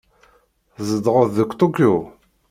Tzedɣeḍ deg Tokyo?